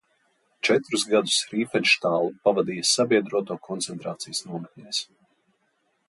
Četrus gadus Rīfenštāle pavadīja sabiedroto koncentrācijas nometnēs.